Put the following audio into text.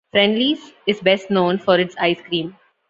Friendly's is best known for its ice cream.